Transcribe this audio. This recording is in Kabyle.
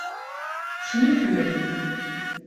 Tneflem.